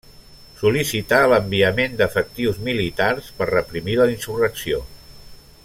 Sol·licità l'enviament d'efectius militars per reprimir la insurrecció.